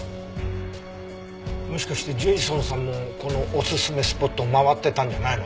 もしかしてジェイソンさんもこのおすすめスポットを回ってたんじゃないの？